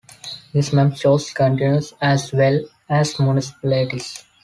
This map shows counties as well as municipalities.